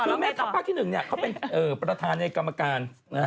คือแม่ทัพภาคที่๑เขาเป็นประธานในกรรมการ